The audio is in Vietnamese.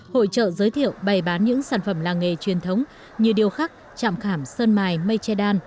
hội trợ giới thiệu bày bán những sản phẩm làng nghề truyền thống như điều khắc chạm khảm sơn mài mây che đan